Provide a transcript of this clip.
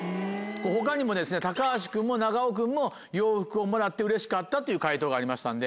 他にも高橋君も長尾君も「洋服をもらってうれしかった」という回答がありましたんで。